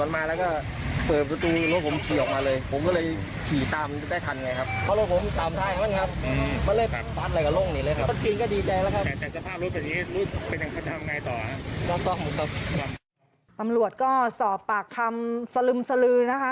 ตำรวจก็สอบปากคำสลึมสลือนะคะ